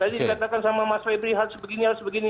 tadi dikatakan sama mas febri harus begini harus begini